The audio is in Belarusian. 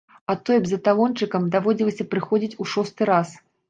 А тое б за талончыкам даводзілася прыходзіць у шосты раз.